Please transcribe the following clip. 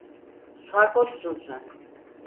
Sarhoşsun sen.